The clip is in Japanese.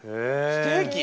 ステーキ？